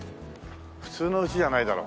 普通の家じゃないだろ？